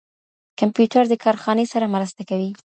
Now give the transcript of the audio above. کمپيوټر د کارخاني سره مرسته کوي.